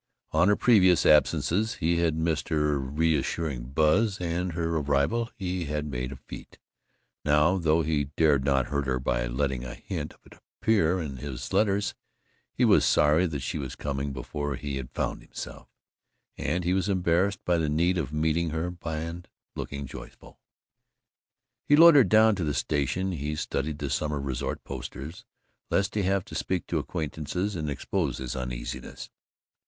On her previous absences he had missed her reassuring buzz and of her arrival he had made a fête. Now, though he dared not hurt her by letting a hint of it appear in his letters, he was sorry that she was coming before he had found himself, and he was embarrassed by the need of meeting her and looking joyful. He loitered down to the station; he studied the summer resort posters, lest he have to speak to acquaintances and expose his uneasiness.